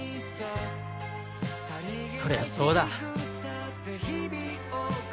そりゃそうだ。